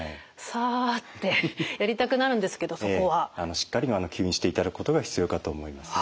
しっかり吸引していただくことが必要かと思いますね。